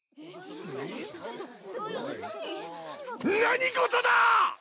何事だ！？